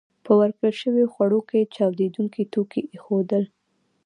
په ورکړل شويو خوړو کې چاودېدونکي توکي ایښودل